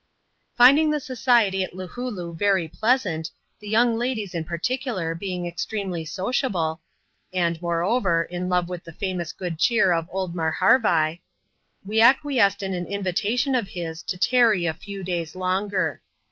Finding the society at Loohooloo very pleasant, the young ladies, in particular, being extremely sociable ; and, moreover, in love with the famous good cheer of old Marharvai, we ac quiesced in an invitation of his, to tarry a few days longer.